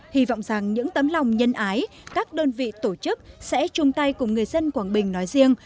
hy vọng rằng những tấm lòng nhân ái các đơn vị tổ chức sẽ chung tay cùng người dân quảng bình nói riêng